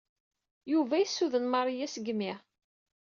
Yuba yessuden Maria seg yimi.